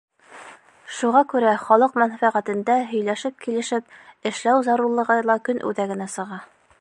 Шуға күрә халыҡ мәнфәғәтендә һөйләшеп-килешеп эшләү зарурлығы ла көн үҙәгенә сыға.